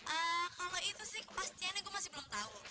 ehh kalau itu sih pastinya ini gue masih belum tahu